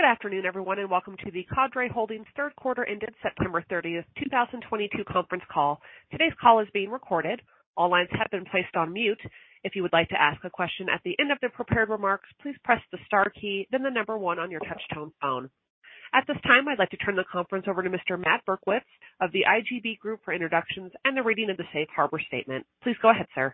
Good afternoon, everyone, and welcome to the Cadre Holdings third quarter ended September 30, 2022 conference call. Today's call is being recorded. All lines have been placed on mute. If you would like to ask a question at the end of the prepared remarks, please press the star key, then the number one on your touch-tone phone. At this time, I'd like to turn the conference over to Mr. Matt Berkowitz of The IGB Group for introductions and the reading of the safe harbor statement. Please go ahead, sir.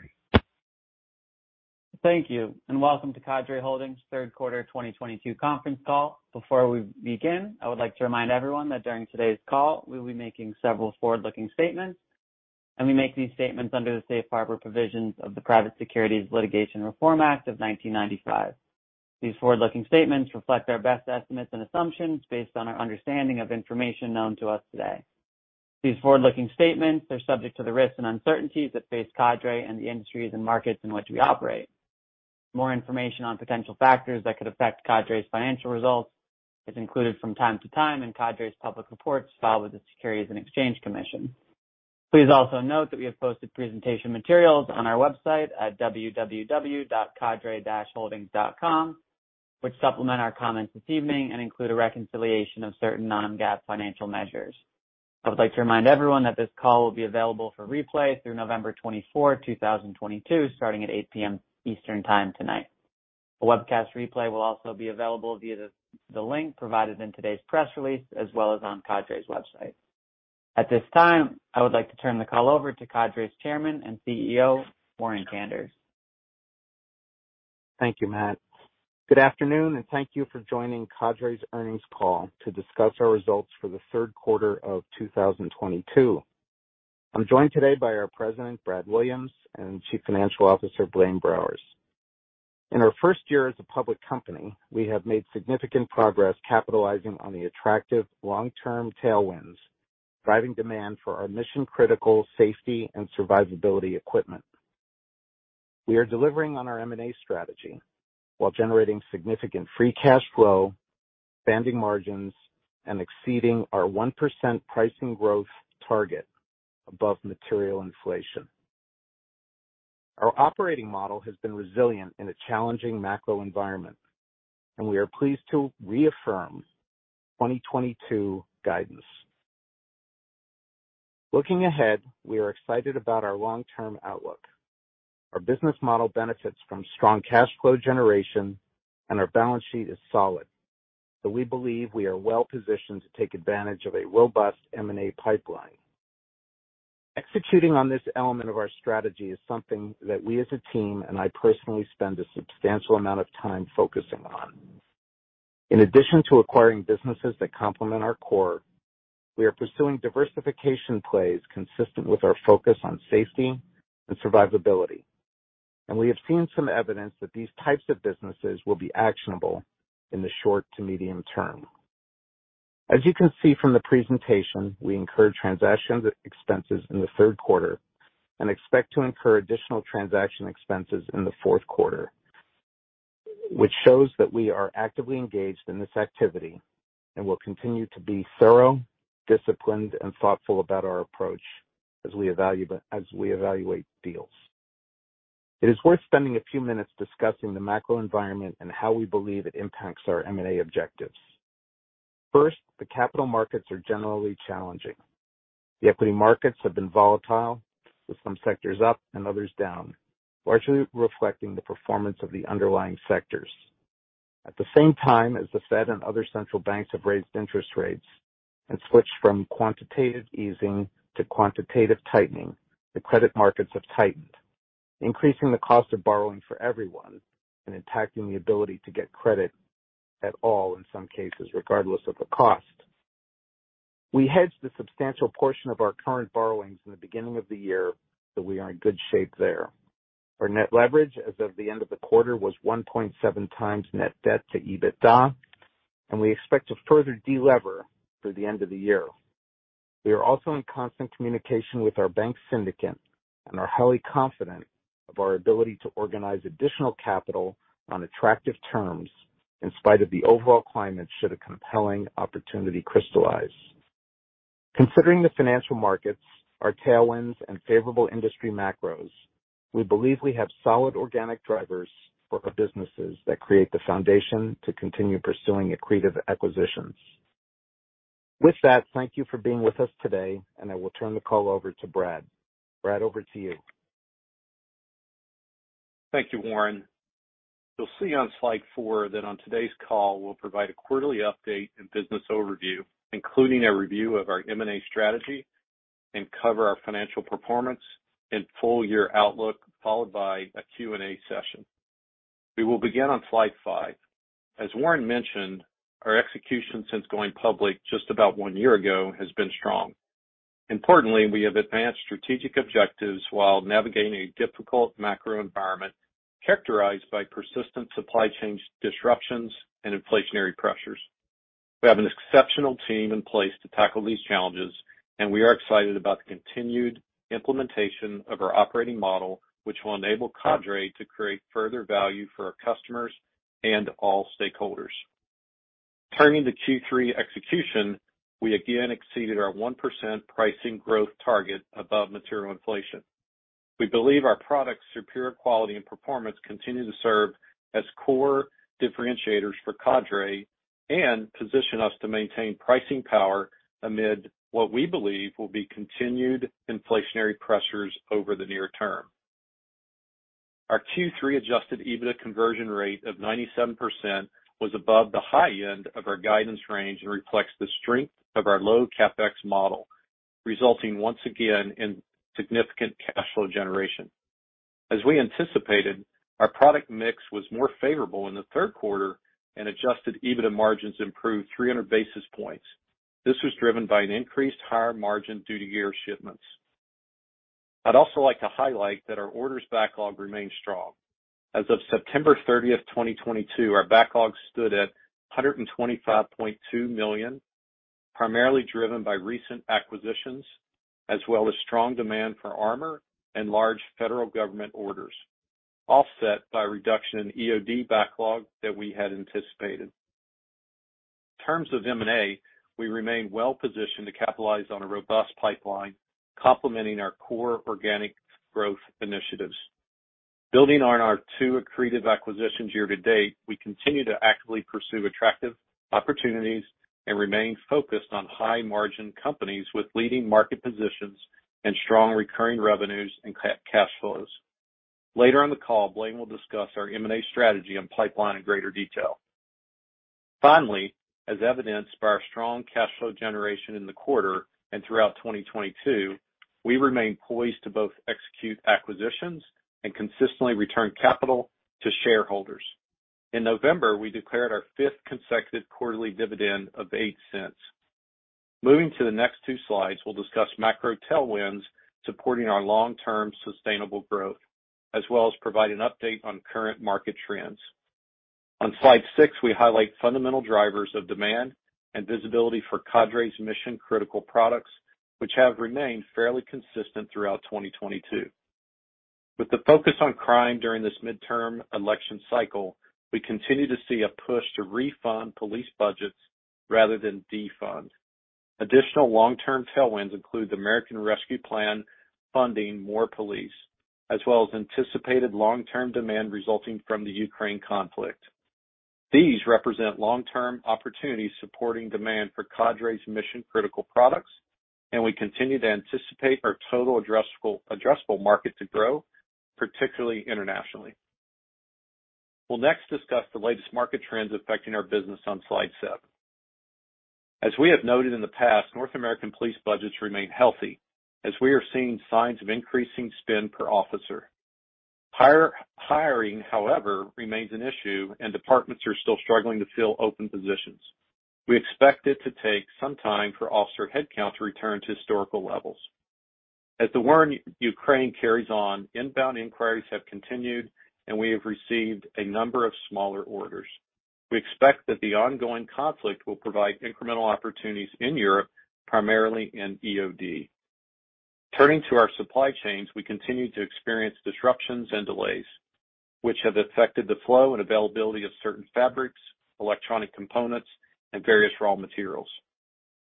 Thank you, and welcome to Cadre Holdings' third quarter 2022 conference call. Before we begin, I would like to remind everyone that during today's call, we will be making several forward-looking statements, and we make these statements under the Safe Harbor Provisions of the Private Securities Litigation Reform Act of 1995. These forward-looking statements reflect our best estimates and assumptions based on our understanding of information known to us today. These forward-looking statements are subject to the risks and uncertainties that face Cadre and the industries and markets in which we operate. More information on potential factors that could affect Cadre's financial results is included from time to time in Cadre's public reports filed with the Securities and Exchange Commission. Please also note that we have posted presentation materials on our website at www.cadre-holdings.com, which supplement our comments this evening and include a reconciliation of certain non-GAAP financial measures. I would like to remind everyone that this call will be available for replay through November 24, 2022, starting at 8:00 P.M. Eastern Time tonight. A webcast replay will also be available via the link provided in today's press release as well as on Cadre's website. At this time, I would like to turn the call over to Cadre's Chairman and CEO, Warren Kanders. Thank you, Matt. Good afternoon, and thank you for joining Cadre's earnings call to discuss our results for the third quarter of 2022. I'm joined today by our President, Brad Williams, and Chief Financial Officer, Blaine Browers. In our first year as a public company, we have made significant progress capitalizing on the attractive long-term tailwinds, driving demand for our mission-critical safety and survivability equipment. We are delivering on our M&A strategy while generating significant free cash flow, expanding margins, and exceeding our 1% pricing growth target above material inflation. Our operating model has been resilient in a challenging macro environment, and we are pleased to reaffirm 2022 guidance. Looking ahead, we are excited about our long-term outlook. Our business model benefits from strong cash flow generation, and our balance sheet is solid. We believe we are well-positioned to take advantage of a robust M&A pipeline. Executing on this element of our strategy is something that we as a team and I personally spend a substantial amount of time focusing on. In addition to acquiring businesses that complement our core, we are pursuing diversification plays consistent with our focus on safety and survivability. We have seen some evidence that these types of businesses will be actionable in the short to medium term. As you can see from the presentation, we incurred transaction expenses in the third quarter and expect to incur additional transaction expenses in the fourth quarter, which shows that we are actively engaged in this activity and will continue to be thorough, disciplined, and thoughtful about our approach as we evaluate deals. It is worth spending a few minutes discussing the macro environment and how we believe it impacts our M&A objectives. First, the capital markets are generally challenging. The equity markets have been volatile, with some sectors up and others down, largely reflecting the performance of the underlying sectors. At the same time, as the Fed and other central banks have raised interest rates and switched from quantitative easing to quantitative tightening, the credit markets have tightened, increasing the cost of borrowing for everyone and impacting the ability to get credit at all in some cases, regardless of the cost. We hedged a substantial portion of our current borrowings in the beginning of the year, so we are in good shape there. Our net leverage as of the end of the quarter was 1.7 times net debt to EBITDA, and we expect to further de-lever through the end of the year. We are also in constant communication with our bank syndicate and are highly confident of our ability to organize additional capital on attractive terms in spite of the overall climate should a compelling opportunity crystallize. Considering the financial markets, our tailwinds and favorable industry macros, we believe we have solid organic drivers for our businesses that create the foundation to continue pursuing accretive acquisitions. With that, thank you for being with us today, and I will turn the call over to Brad. Brad, over to you. Thank you, Warren. You'll see on slide 4 that on today's call we'll provide a quarterly update and business overview, including a review of our M&A strategy and cover our financial performance and full-year outlook, followed by a Q&A session. We will begin on slide 5. As Warren mentioned, our execution since going public just about one year ago has been strong. Importantly, we have advanced strategic objectives while navigating a difficult macro environment characterized by persistent supply chain disruptions and inflationary pressures. We have an exceptional team in place to tackle these challenges, and we are excited about the continued implementation of our operating model, which will enable Cadre to create further value for our customers and all stakeholders. Turning to Q3 execution, we again exceeded our 1% pricing growth target above material inflation. We believe our products' superior quality and performance continue to serve as core differentiators for Cadre and position us to maintain pricing power amid what we believe will be continued inflationary pressures over the near term. Our Q3 adjusted EBITDA conversion rate of 97% was above the high end of our guidance range and reflects the strength of our low CapEx model, resulting once again in significant cash flow generation. As we anticipated, our product mix was more favorable in the third quarter and adjusted EBITDA margins improved 300 basis points. This was driven by an increased higher margin due to gear shipments. I'd also like to highlight that our orders backlog remains strong. As of September 30, 2022, our backlog stood at $125.2 million, primarily driven by recent acquisitions as well as strong demand for armor and large federal government orders, offset by reduction in EOD backlog that we had anticipated. In terms of M&A, we remain well positioned to capitalize on a robust pipeline, complementing our core organic growth initiatives. Building on our 2 accretive acquisitions year to date, we continue to actively pursue attractive opportunities and remain focused on high-margin companies with leading market positions and strong recurring revenues and cash flows. Later on the call, Blaine will discuss our M&A strategy and pipeline in greater detail. Finally, as evidenced by our strong cash flow generation in the quarter and throughout 2022, we remain poised to both execute acquisitions and consistently return capital to shareholders. In November, we declared our fifth consecutive quarterly dividend of $0.08. Moving to the next 2 slides, we'll discuss macro tailwinds supporting our long-term sustainable growth, as well as provide an update on current market trends. On slide 6, we highlight fundamental drivers of demand and visibility for Cadre's mission-critical products, which have remained fairly consistent throughout 2022. With the focus on crime during this midterm election cycle, we continue to see a push to refund police budgets rather than defund. Additional long-term tailwinds include the American Rescue Plan funding more police, as well as anticipated long-term demand resulting from the Ukraine conflict. These represent long-term opportunities supporting demand for Cadre's mission-critical products, and we continue to anticipate our total addressable market to grow, particularly internationally. We'll next discuss the latest market trends affecting our business on slide 7. As we have noted in the past, North American police budgets remain healthy as we are seeing signs of increasing spend per officer. Hiring, however, remains an issue and departments are still struggling to fill open positions. We expect it to take some time for officer headcount to return to historical levels. As the war in Ukraine carries on, inbound inquiries have continued, and we have received a number of smaller orders. We expect that the ongoing conflict will provide incremental opportunities in Europe, primarily in EOD. Turning to our supply chains, we continue to experience disruptions and delays, which have affected the flow and availability of certain fabrics, electronic components, and various raw materials.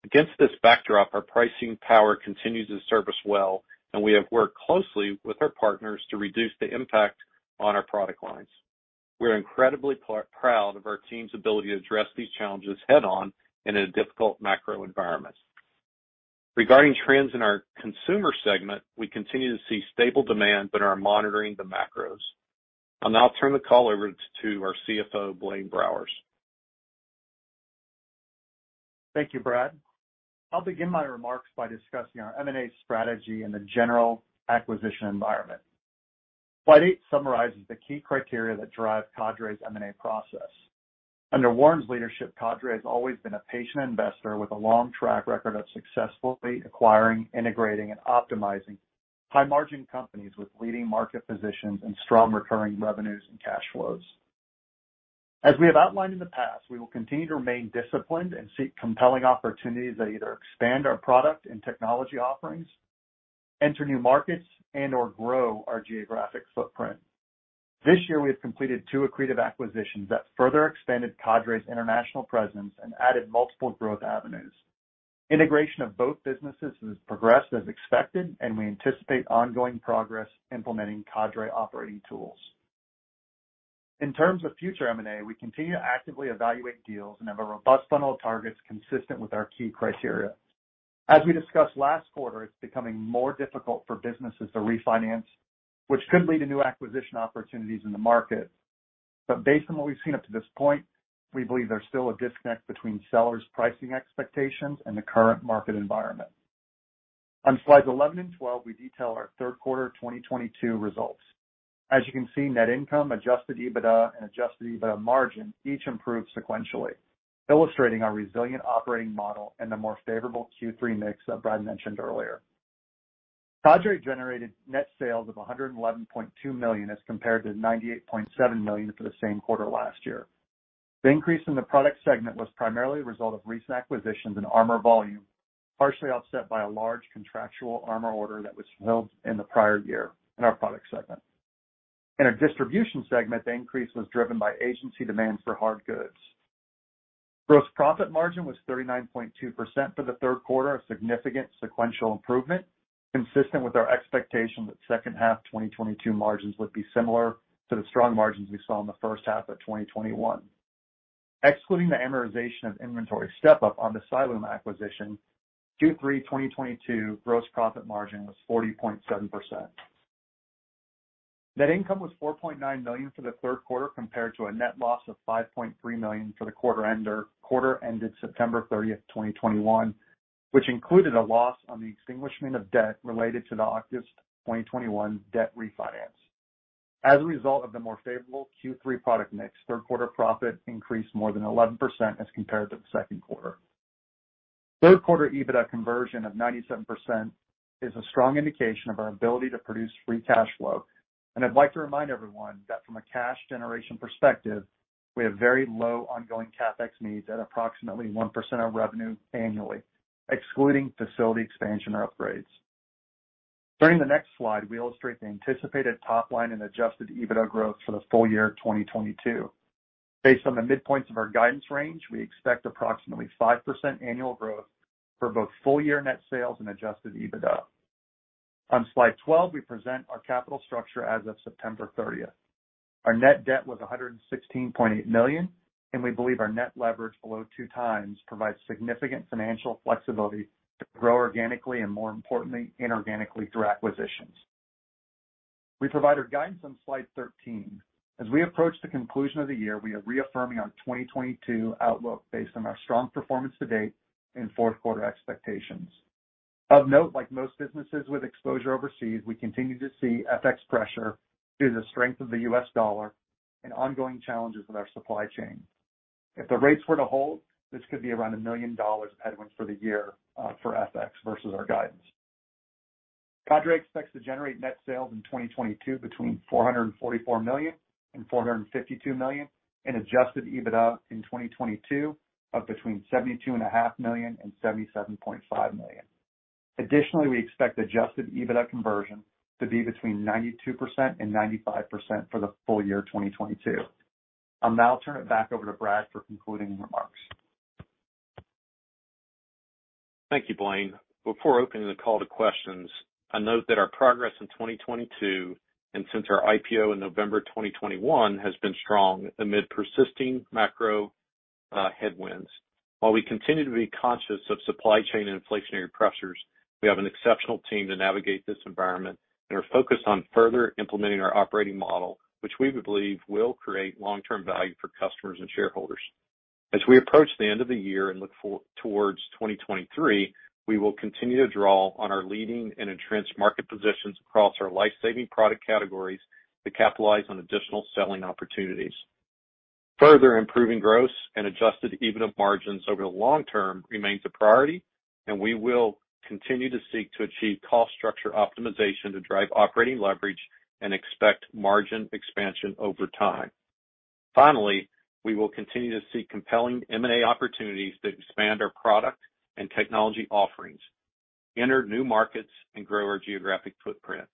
Against this backdrop, our pricing power continues to serve us well, and we have worked closely with our partners to reduce the impact on our product lines. We're incredibly proud of our team's ability to address these challenges head on in a difficult macro environment. Regarding trends in our consumer segment, we continue to see stable demand but are monitoring the macros. I'll now turn the call over to our CFO, Blaine Browers. Thank you, Brad. I'll begin my remarks by discussing our M&A strategy and the general acquisition environment. Slide 8 summarizes the key criteria that drive Cadre's M&A process. Under Warren's leadership, Cadre has always been a patient investor with a long track record of successfully acquiring, integrating, and optimizing high-margin companies with leading market positions and strong recurring revenues and cash flows. As we have outlined in the past, we will continue to remain disciplined and seek compelling opportunities that either expand our product and technology offerings, enter new markets, and/or grow our geographic footprint. This year, we have completed two accretive acquisitions that further expanded Cadre's international presence and added multiple growth avenues. Integration of both businesses has progressed as expected, and we anticipate ongoing progress implementing Cadre operating tools. In terms of future M&A, we continue to actively evaluate deals and have a robust funnel of targets consistent with our key criteria. As we discussed last quarter, it's becoming more difficult for businesses to refinance, which could lead to new acquisition opportunities in the market. Based on what we've seen up to this point, we believe there's still a disconnect between sellers' pricing expectations and the current market environment. On slides 11 and 12, we detail our third quarter 2022 results. As you can see, net income, adjusted EBITDA, and adjusted EBITDA margin each improved sequentially, illustrating our resilient operating model and the more favorable Q3 mix that Brad mentioned earlier. Cadre generated net sales of $111.2 million as compared to $98.7 million for the same quarter last year. The increase in the Product segment was primarily the result of recent acquisitions in armor volume, partially offset by a large contractual armor order that was fulfilled in the prior year in our Product segment. In our Distribution segment, the increase was driven by agency demand for hard goods. Gross profit margin was 39.2% for the third quarter, a significant sequential improvement consistent with our expectation that second half 2022 margins would be similar to the strong margins we saw in the first half of 2021. Excluding the amortization of inventory step-up on the Cyalume acquisition, Q3 2022 gross profit margin was 40.7%. Net income was $4.9 million for the third quarter compared to a net loss of $5.3 million for the quarter ended September 30, 2021, which included a loss on the extinguishment of debt related to the August 2021 debt refinance. As a result of the more favorable Q3 product mix, third quarter profit increased more than 11% as compared to the second quarter. Third quarter EBITDA conversion of 97% is a strong indication of our ability to produce free cash flow, and I'd like to remind everyone that from a cash generation perspective, we have very low ongoing CapEx needs at approximately 1% of revenue annually, excluding facility expansion or upgrades. During the next slide, we illustrate the anticipated top line and adjusted EBITDA growth for the full year 2022. Based on the midpoints of our guidance range, we expect approximately 5% annual growth for both full year net sales and adjusted EBITDA. On slide 12, we present our capital structure as of September thirtieth. Our net debt was $116.8 million, and we believe our net leverage below 2x provides significant financial flexibility to grow organically and more importantly, inorganically through acquisitions. We provide our guidance on slide 13. As we approach the conclusion of the year, we are reaffirming our 2022 outlook based on our strong performance to date and fourth quarter expectations. Of note, like most businesses with exposure overseas, we continue to see FX pressure due to the strength of the US dollar and ongoing challenges with our supply chain. If the rates were to hold, this could be around $1 million of headwinds for the year for FX versus our guidance. Cadre expects to generate net sales in 2022 between $444 million and $452 million, and adjusted EBITDA in 2022 of between $72.5 million and $77.5 million. Additionally, we expect adjusted EBITDA conversion to be between 92% and 95% for the full year 2022. I'll now turn it back over to Brad for concluding remarks. Thank you, Blaine. Before opening the call to questions, I note that our progress in 2022 and since our IPO in November 2021 has been strong amid persisting macro headwinds. While we continue to be conscious of supply chain and inflationary pressures, we have an exceptional team to navigate this environment and are focused on further implementing our operating model, which we believe will create long-term value for customers and shareholders. As we approach the end of the year and look forward to 2023, we will continue to draw on our leading and entrenched market positions across our life-saving product categories to capitalize on additional selling opportunities. Further improving gross and adjusted EBITDA margins over the long term remains a priority, and we will continue to seek to achieve cost structure optimization to drive operating leverage and expect margin expansion over time. Finally, we will continue to seek compelling M&A opportunities to expand our product and technology offerings, enter new markets, and grow our geographic footprint.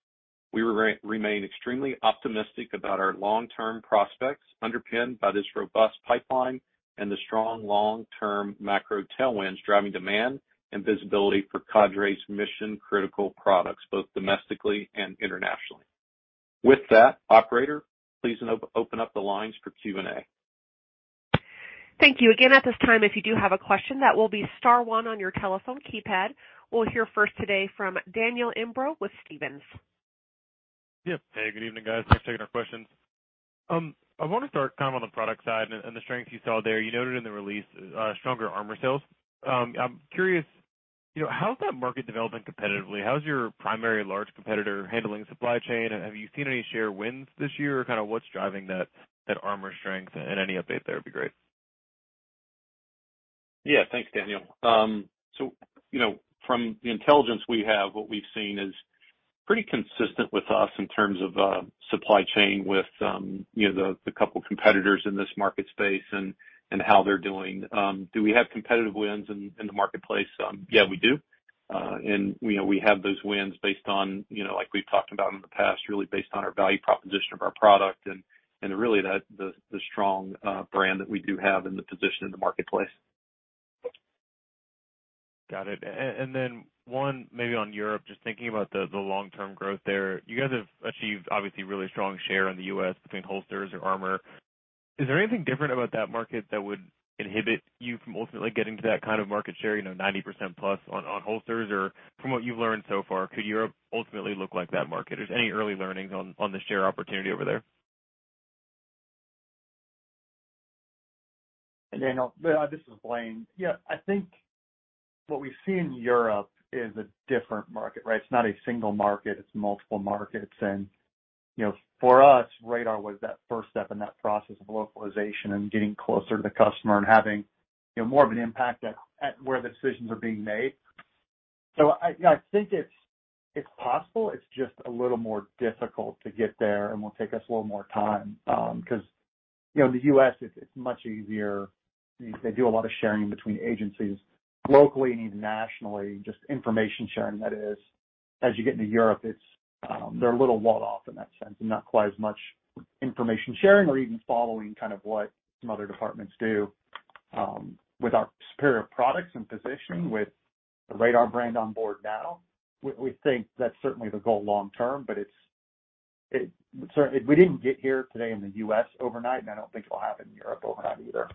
We remain extremely optimistic about our long-term prospects underpinned by this robust pipeline and the strong long-term macro tailwinds driving demand and visibility for Cadre's mission-critical products, both domestically and internationally. With that, operator, please open up the lines for Q&A. Thank you. Again, at this time, if you do have a question, that will be star one on your telephone keypad. We'll hear first today from Daniel Imbro with Stephens. Yeah. Hey, good evening, guys. Thanks for taking our questions. I wanna start kind of on the product side and the strength you saw there. You noted in the release, stronger armor sales. I'm curious, you know, how's that market developing competitively? How's your primary large competitor handling supply chain? Have you seen any share wins this year? Kinda what's driving that armor strength and any update there would be great. Yeah. Thanks, Daniel. You know, from the intelligence we have, what we've seen is pretty consistent with us in terms of supply chain with, you know, the couple competitors in this market space and how they're doing. Do we have competitive wins in the marketplace? Yeah, we do. You know, we have those wins based on, you know, like we've talked about in the past, really based on our value proposition of our product and really the strong brand that we do have and the position in the marketplace. Got it. One maybe on Europe, just thinking about the long-term growth there. You guys have achieved obviously really strong share in the U.S. between holsters or armor. Is there anything different about that market that would inhibit you from ultimately getting to that kind of market share, you know, 90%+ on holsters? From what you've learned so far, could Europe ultimately look like that market? Is there any early learnings on the share opportunity over there? Daniel, this is Blaine. Yeah. I think what we see in Europe is a different market, right? It's not a single market, it's multiple markets. You know, for us, Radar was that first step in that process of localization and getting closer to the customer and having, you know, more of an impact at where the decisions are being made. I think it's possible, it's just a little more difficult to get there, and will take us a little more time. You know, in the U.S. it's much easier. They do a lot of sharing between agencies locally and even nationally, just information sharing, that is. As you get into Europe, it's, they're a little walled off in that sense and not quite as much information sharing or even following kind of what some other departments do. With our superior products and positioning with the Radar brand on board now, we think that's certainly the goal long term, but we didn't get here today in the US overnight, and I don't think it'll happen in Europe overnight either.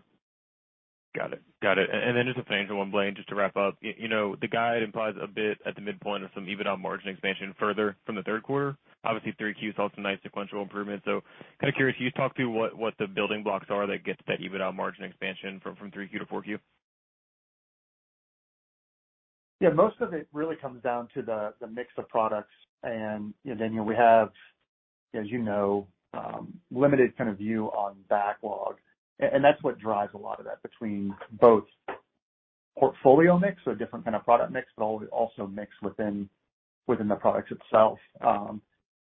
Got it. Just a financial one, Blaine, just to wrap up. You know, the guide implies a beat at the midpoint of some EBITDA margin expansion further from the third quarter. Obviously, 3Q saw some nice sequential improvement. Kind of curious, can you talk through what the building blocks are that gets that EBITDA margin expansion from 3Q to 4Q? Yeah, most of it really comes down to the mix of products. You know, limited kind of view on backlog. That's what drives a lot of that between both portfolio mix, so a different kind of product mix, but also mix within the products itself.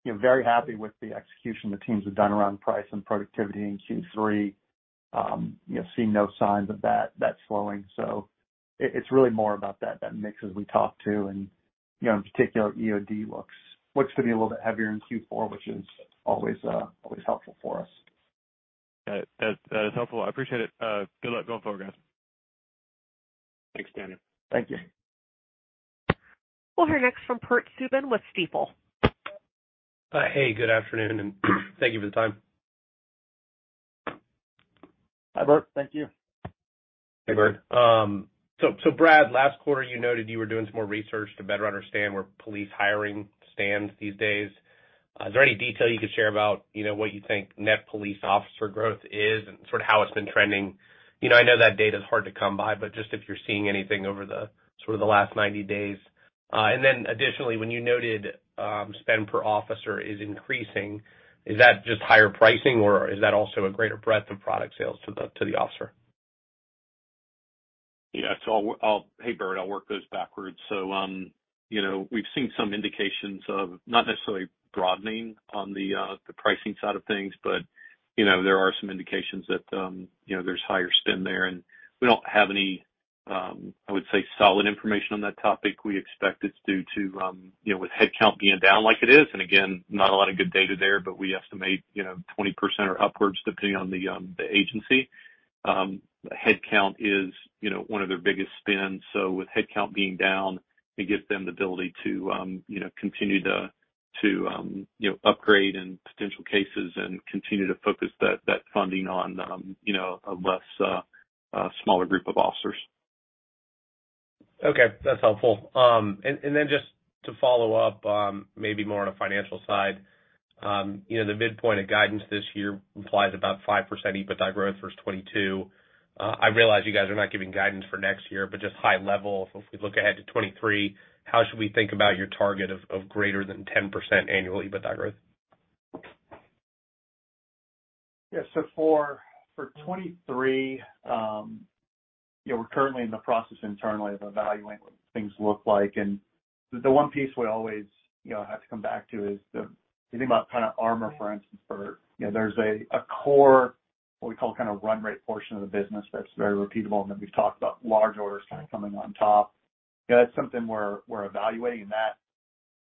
You know, very happy with the execution the teams have done around price and productivity in Q3. You know, see no signs of that slowing. It's really more about that mix as we talk to. You know, in particular, EOD looks to be a little bit heavier in Q4, which is always helpful for us. Got it. That is helpful. I appreciate it. Good luck going forward, guys. Thanks, Daniel. Thank you. We'll hear next from Bert Subin with Stifel. Hey, good afternoon, and thank you for the time. Hi, Bert. Thank you. Hey, Bert. Brad, last quarter, you noted you were doing some more research to better understand where police hiring stands these days. Is there any detail you could share about, you know, what you think net police officer growth is and sort of how it's been trending? You know, I know that data is hard to come by, but just if you're seeing anything over the, sort of the last 90 days. And then additionally, when you noted, spend per officer is increasing, is that just higher pricing, or is that also a greater breadth of product sales to the officer? Yeah. Hey, Bert, I'll work those backwards. You know, we've seen some indications of not necessarily broadening on the pricing side of things, but you know, there are some indications that there's higher spend there, and we don't have any I would say solid information on that topic. We expect it's due to you know, with headcount being down like it is, and again, not a lot of good data there, but we estimate you know, 20% or upwards, depending on the agency. Headcount is you know, one of their biggest spends. With headcount being down, it gives them the ability to, you know, continue to upgrade in potential cases and continue to focus that funding on, you know, a smaller group of officers. Okay, that's helpful. And then just to follow up, maybe more on a financial side, you know, the midpoint of guidance this year implies about 5% EBITDA growth versus 2022. I realize you guys are not giving guidance for next year, but just high level, if we look ahead to 2023, how should we think about your target of greater than 10% annual EBITDA growth? Yeah. For 2023, we're currently in the process internally of evaluating what things look like. The one piece we always, you know, have to come back to is the if you think about kind of armor, for instance, Bert, you know, there's a core what we call kind of run rate portion of the business that's very repeatable. Then we've talked about large orders kind of coming on top. You know, that's something we're evaluating, and that,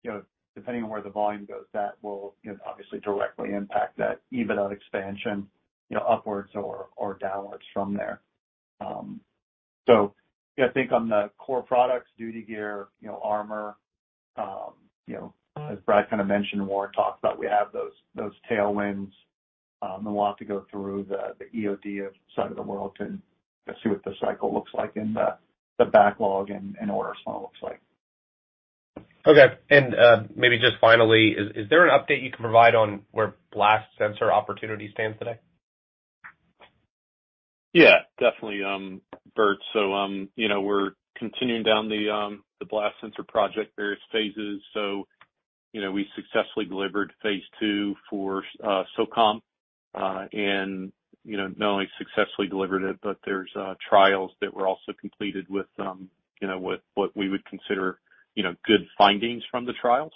you know, depending on where the volume goes, that will, you know, obviously directly impact that EBITDA expansion, you know, upwards or downwards from there. Yeah, I think on the core products, duty gear, you know, armor, you know, as Brad kind of mentioned and Warren talked about, we have those tailwinds. We'll have to go through the EOD side of the world to see what the cycle looks like in the backlog and order flow looks like. Okay. Maybe just finally, is there an update you can provide on where blast sensor opportunity stands today? Yeah, definitely, Bert. You know, we're continuing down the blast sensor project, various phases. You know, we successfully delivered phase two for SOCOM, and you know, not only successfully delivered it, but there's trials that were also completed with you know, what we would consider you know, good findings from the trials.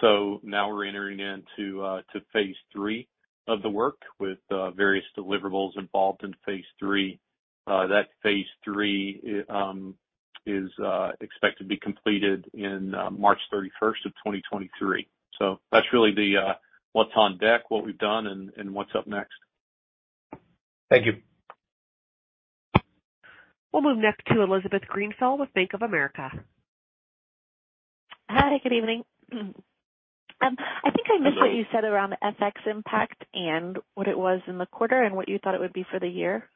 Now we're entering into phase three of the work with various deliverables involved in phase three. That phase three is expected to be completed in March 31, 2023. That's really what's on deck, what we've done and what's up next. Thank you. We'll move next to Elizabeth Grenfell with Bank of America. Hi, good evening. I think I missed what you said around the FX impact and what it was in the quarter and what you thought it would be for the year.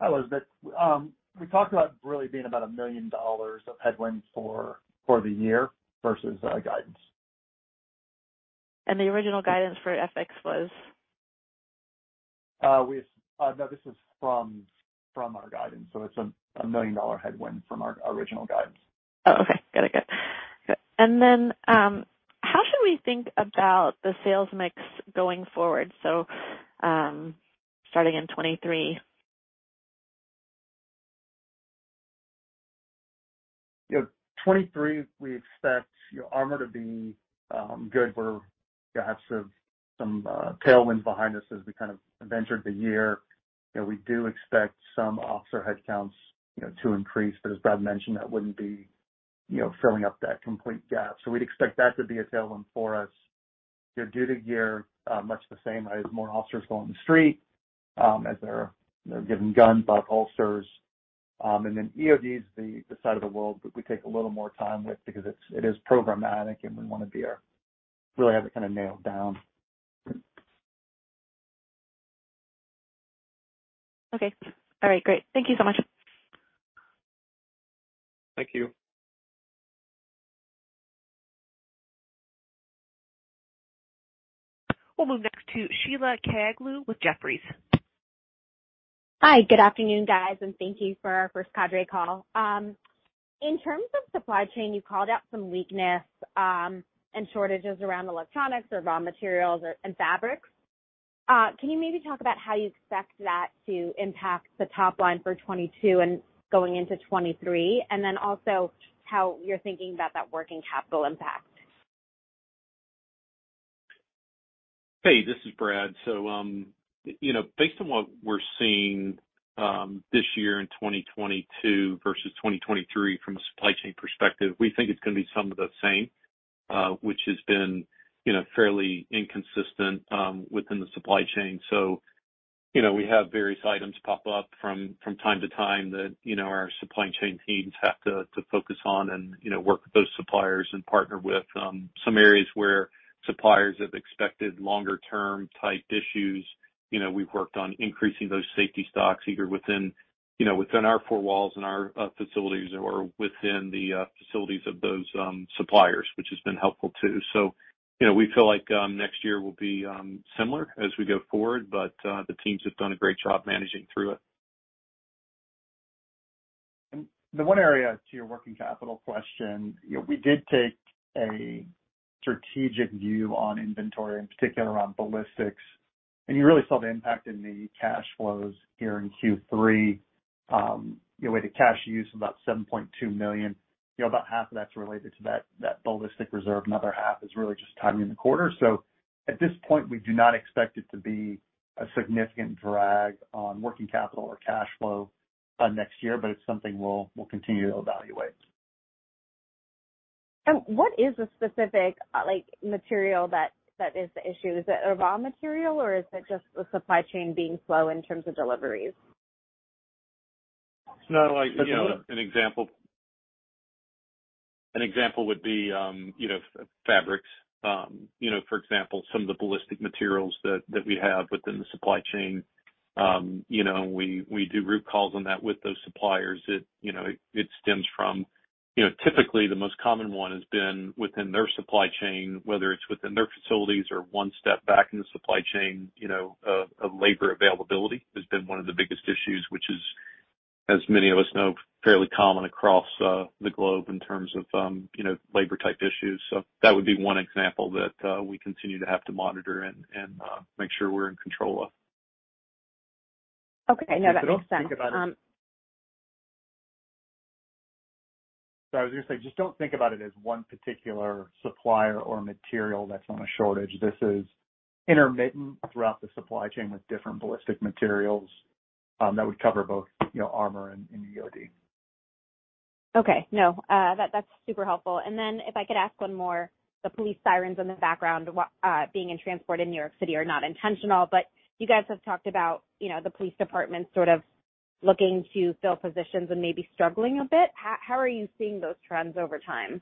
Hi, Elizabeth. We talked about really being about $1 million of headwinds for the year versus guidance. The original guidance for FX was? This is from our guidance, so it's a million-dollar headwind from our original guidance. Oh, okay. Got it. Good. How should we think about the sales mix going forward, so, starting in 2023? You know, 2023, we expect, you know, armor to be good. We're gonna have some tailwinds behind us as we kind of enter the year. You know, we do expect some officer headcounts, you know, to increase. As Brad mentioned, that wouldn't be, you know, filling up that complete gap. We'd expect that to be a tailwind for us. You know, duty gear much the same as more officers go on the street as they're, you know, given guns, buckle holsters. Then EOD is the side of the world that we take a little more time with because it is programmatic and we wanna really have it kinda nailed down. Okay. All right, great. Thank you so much. Thank you. We'll move next to Sheila Kahyaoglu with Jefferies. Hi. Good afternoon, guys, and thank you for our first Cadre call. In terms of supply chain, you called out some weakness, and shortages around electronics or raw materials, and fabrics. Can you maybe talk about how you expect that to impact the top line for 2022 and going into 2023, and then also how you're thinking about that working capital impact? Hey, this is Brad. You know, based on what we're seeing, this year in 2022 versus 2023 from a supply chain perspective, we think it's gonna be some of the same, which has been, you know, fairly inconsistent within the supply chain. You know, we have various items pop up from time to time that, you know, our supply chain teams have to focus on and, you know, work with those suppliers and partner with some areas where suppliers have expected longer term type issues. You know, we've worked on increasing those safety stocks either within our four walls and our facilities or within the facilities of those suppliers, which has been helpful too. You know, we feel like next year will be similar as we go forward, but the teams have done a great job managing through it. The one area to your working capital question, you know, we did take a strategic view on inventory, in particular around ballistics, and you really saw the impact in the cash flows here in Q3. You know, with the cash use of about $7.2 million. You know, about half of that's related to that ballistic reserve, another half is really just timing in the quarter. At this point, we do not expect it to be a significant drag on working capital or cash flow next year, but it's something we'll continue to evaluate. What is the specific, like, material that is the issue? Is it a raw material or is it just the supply chain being slow in terms of deliveries? No, like, you know, an example would be, you know, fabrics. You know, for example, some of the ballistic materials that we have within the supply chain. You know, we do root cause on that with those suppliers. It, you know, stems from, you know, typically the most common one has been within their supply chain, whether it's within their facilities or one step back in the supply chain, you know, of labor availability has been one of the biggest issues, which is, as many of us know, fairly common across the globe in terms of, you know, labor type issues. That would be one example that we continue to have to monitor and make sure we're in control of. Okay. No, that makes sense. I was gonna say, just don't think about it as one particular supplier or material that's on a shortage. This is intermittent throughout the supply chain with different ballistic materials that would cover both, you know, armor and EOD. Okay. No, that's super helpful. If I could ask one more. The police sirens in the background, being in transport in New York City are not intentional, but you guys have talked about, you know, the police department sort of looking to fill positions and maybe struggling a bit. How are you seeing those trends over time?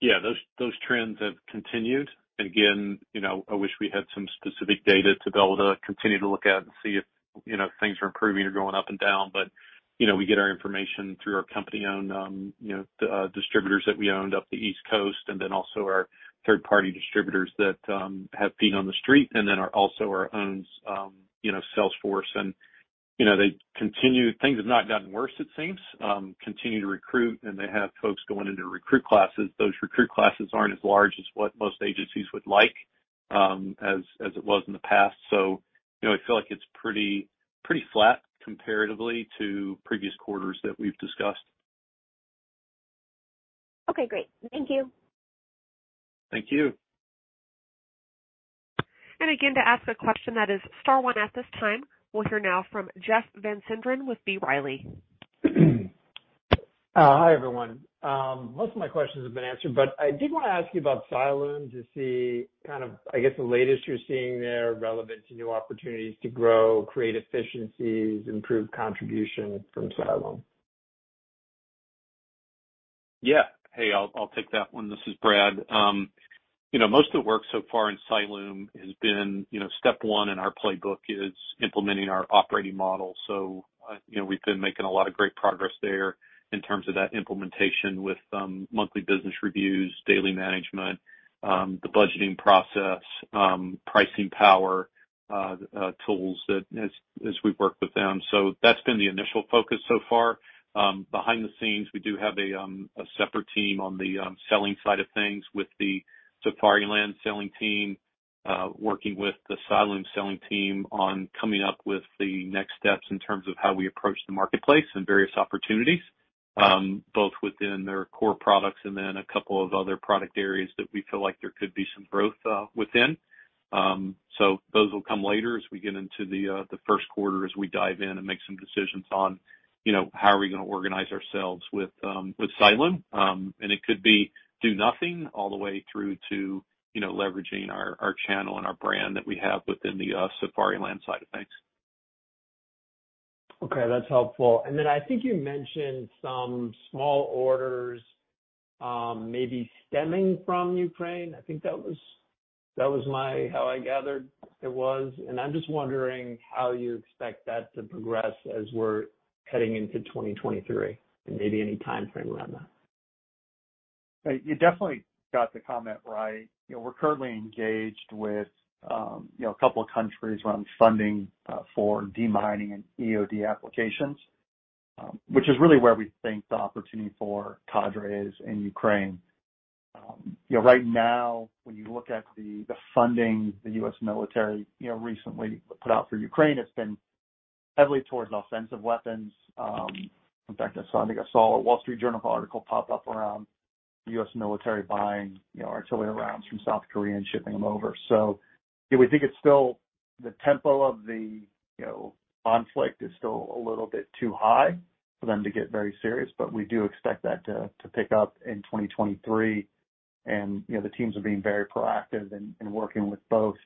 Yeah, those trends have continued. Again, you know, I wish we had some specific data to be able to continue to look at and see if, you know, things are improving or going up and down. You know, we get our information through our company-owned, you know, distributors that we own up the East Coast and then also our third-party distributors that have feet on the street and then are also our own, you know, sales force. You know, things have not gotten worse, it seems. They continue to recruit, and they have folks going into recruit classes. Those recruit classes aren't as large as what most agencies would like, as it was in the past. You know, I feel like it's pretty flat comparatively to previous quarters that we've discussed. Okay, great. Thank you. Thank you. Again, to ask a question, press star one at this time. We'll hear now from Jeff Van Sinderen with B. Riley. Hi, everyone. Most of my questions have been answered, but I did wanna ask you about Cyalume to see kind of, I guess, the latest you're seeing there relevant to new opportunities to grow, create efficiencies, improve contribution from Cyalume. Yeah. Hey, I'll take that one. This is Brad. You know, most of the work so far in Cyalume has been you know, step one in our playbook is implementing our operating model. You know, we've been making a lot of great progress there in terms of that implementation with monthly business reviews, daily management, the budgeting process, pricing power, tools that as we've worked with them. That's been the initial focus so far. Behind the scenes, we do have a separate team on the selling side of things with the Safariland selling team. Working with the Cyalume selling team on coming up with the next steps in terms of how we approach the marketplace and various opportunities, both within their core products and then a couple of other product areas that we feel like there could be some growth within. Those will come later as we get into the first quarter as we dive in and make some decisions on, you know, how are we gonna organize ourselves with Cyalume. It could be do nothing, all the way through to, you know, leveraging our channel and our brand that we have within the Safariland side of things. Okay, that's helpful. Then I think you mentioned some small orders, maybe stemming from Ukraine. I think that was how I gathered it was. I'm just wondering how you expect that to progress as we're heading into 2023, and maybe any timeframe around that. Right. You definitely got the comment right. You know, we're currently engaged with, you know, a couple of countries around funding for demining and EOD applications, which is really where we think the opportunity for Cadre is in Ukraine. You know, right now, when you look at the funding the U.S. military, you know, recently put out for Ukraine, it's been heavily towards offensive weapons. In fact, I think I saw a Wall Street Journal article pop up around U.S. military buying, you know, artillery rounds from South Korea and shipping them over. We think it's still the tempo of the, you know, conflict is still a little bit too high for them to get very serious, but we do expect that to pick up in 2023. You know, the teams are being very proactive in working with both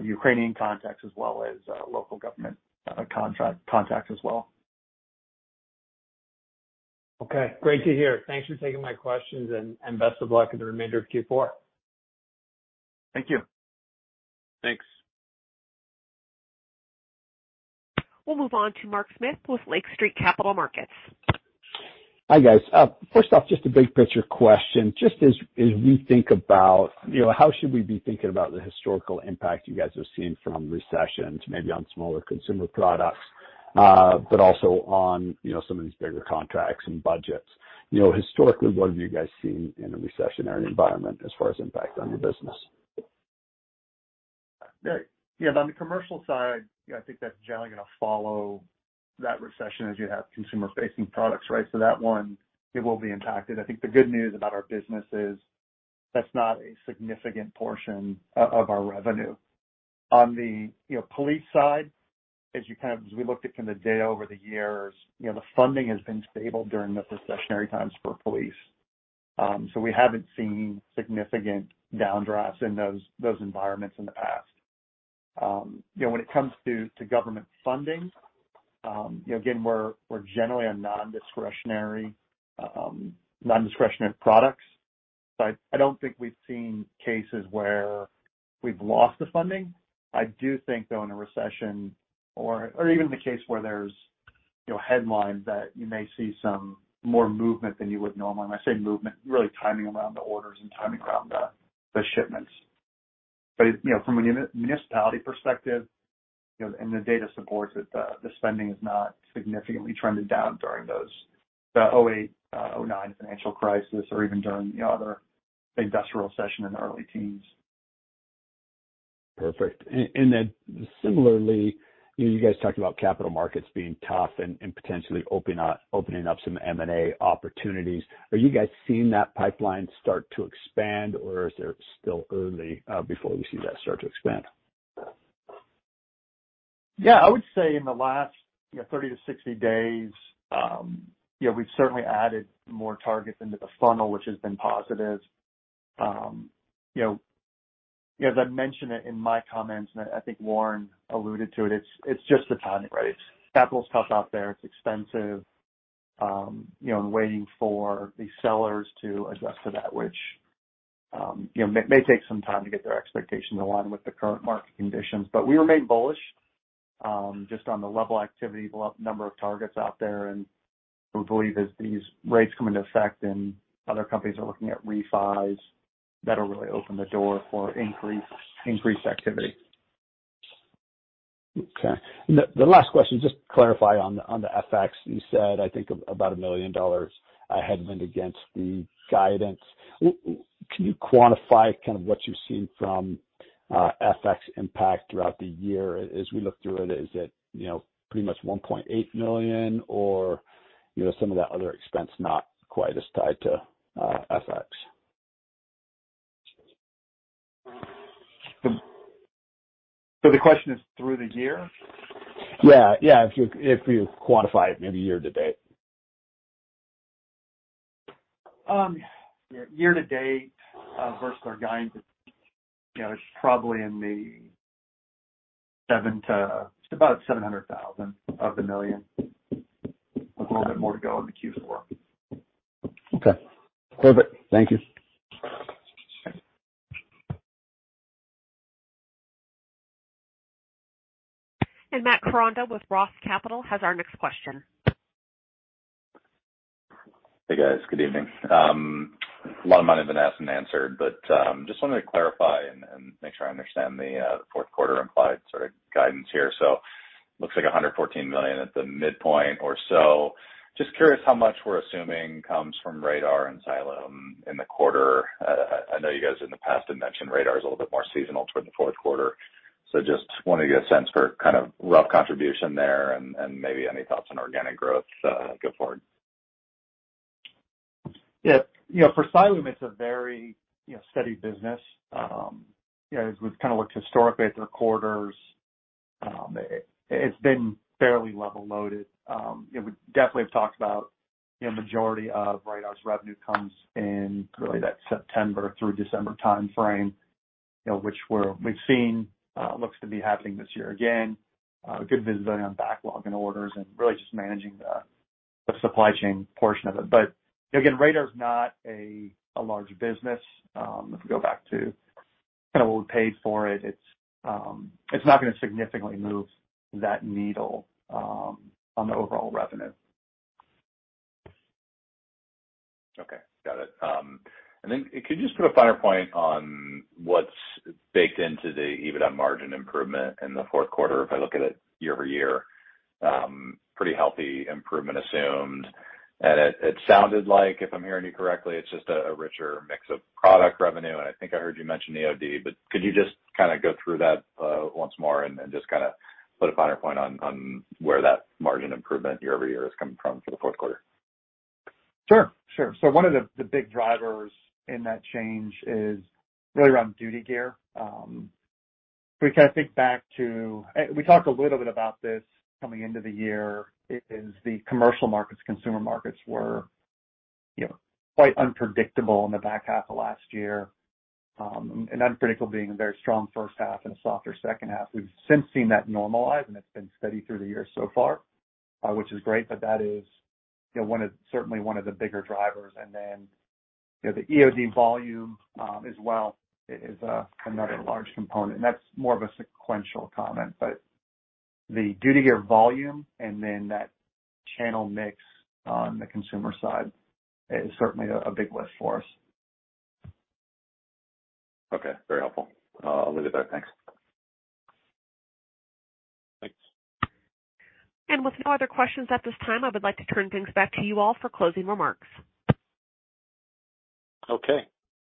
Ukrainian contacts as well as local government contacts as well. Okay. Great to hear. Thanks for taking my questions and best of luck in the remainder of Q4. Thank you. Thanks. We'll move on to Mark Smith with Lake Street Capital Markets. Hi, guys. First off, just a big picture question. Just as we think about, you know, how should we be thinking about the historical impact you guys have seen from recessions, maybe on smaller consumer products, but also on, you know, some of these bigger contracts and budgets. You know, historically, what have you guys seen in a recessionary environment as far as impact on your business? Yeah. Yeah, on the commercial side, you know, I think that's generally gonna follow that recession as you have consumer-facing products, right? That one, it will be impacted. I think the good news about our business is that's not a significant portion of our revenue. On the, you know, police side, as we looked at kind of data over the years, you know, the funding has been stable during the recessionary times for police. We haven't seen significant downdrafts in those environments in the past. You know, when it comes to government funding, you know, again, we're generally nondiscretionary products. I don't think we've seen cases where we've lost the funding. I do think, though, in a recession or even the case where there's, you know, headlines that you may see some more movement than you would normally. When I say movement, really timing around the orders and timing around the shipments. You know, from a municipality perspective, you know, and the data supports it, the spending is not significantly trended down during those, the 2008, 2009 financial crisis or even during the other industrial recession in the early teens. Perfect. And then similarly, you know, you guys talked about capital markets being tough and potentially opening up some M&A opportunities. Are you guys seeing that pipeline start to expand or is it still early before we see that start to expand? Yeah, I would say in the last 30-60 days, you know, we've certainly added more targets into the funnel, which has been positive. You know, as I mentioned it in my comments, and I think Warren alluded to it's just the timing, right? It's capital's tough out there. It's expensive. You know, and waiting for the sellers to adjust to that, which, you know, may take some time to get their expectations aligned with the current market conditions. But we remain bullish, just on the level activity, the number of targets out there. We believe as these rates come into effect and other companies are looking at refis, that'll really open the door for increased activity. Okay. The last question, just to clarify on the FX, you said, I think about $1 million headwind against the guidance. Can you quantify kind of what you've seen from FX impact throughout the year as we look through it? Is it, you know, pretty much $1.8 million or, you know, some of that other expense not quite as tied to FX? The question is through the year? Yeah, if you quantify it maybe year to date. Year-to-date, versus our guidance, you know, is probably in the about $700,000 of the $1 million, with a little bit more to go in Q4. Okay. Perfect. Thank you. Matt Koranda with Roth Capital Partners has our next question. Hey, guys. Good evening. A lot of mine have been asked and answered, but just wanted to clarify and make sure I understand the fourth quarter implied sort of guidance here. Looks like $114 million at the midpoint or so. Just curious how much we're assuming comes from Radar and Cyalume in the quarter. I know you guys in the past had mentioned Radar is a little bit more seasonal toward the fourth quarter. Just wanted to get a sense for kind of rough contribution there and maybe any thoughts on organic growth go forward. Yeah. You know, for Safariland, it's a very, you know, steady business. You know, as we've kinda looked historically at the quarters, it's been fairly level loaded. You know, we definitely have talked about, you know, majority of Radar's revenue comes in really that September through December timeframe, you know, which we've seen looks to be happening this year again. Good visibility on backlog and orders and really just managing the supply chain portion of it. Again, Radar is not a large business. If we go back to kinda what we paid for it's not gonna significantly move that needle on the overall revenue. Okay, got it. Could you just put a finer point on what's baked into the EBITDA margin improvement in the fourth quarter? If I look at it year-over-year, pretty healthy improvement assumed. It sounded like, if I'm hearing you correctly, it's just a richer mix of product revenue. I think I heard you mention EOD, but could you just kinda go through that, once more and just kinda put a finer point on where that margin improvement year-over-year is coming from for the fourth quarter? Sure, sure. One of the big drivers in that change is really around duty gear. If we kinda think back, we talked a little bit about this coming into the year. The commercial markets, consumer markets were, you know, quite unpredictable in the back half of last year. Unpredictable being a very strong first half and a softer second half. We've since seen that normalize, and it's been steady through the year so far, which is great. That is, you know, one of certainly one of the bigger drivers. Then, you know, the EOD volume as well is another large component. That's more of a sequential comment. The duty gear volume and then that channel mix on the consumer side is certainly a big lift for us. Okay, very helpful. I'll leave it there. Thanks. Thanks. With no other questions at this time, I would like to turn things back to you all for closing remarks. Okay.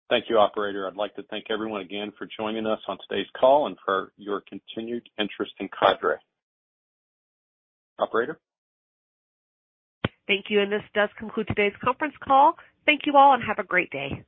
Thank you, operator. I'd like to thank everyone again for joining us on today's call and for your continued interest in Cadre. Operator? Thank you. This does conclude today's conference call. Thank you all, and have a great day.